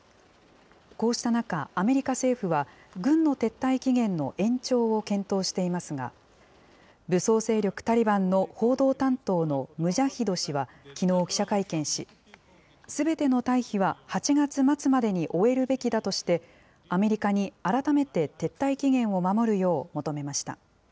こうした中、アメリカ政府は、軍の撤退期限の延長を検討していますが、武装勢力タリバンの報道担当のムジャヒド氏はきのう記者会見し、すべての退避は８月末までに終えるべきだとして、アメリカに改めて撤退期限を守るよう求めました。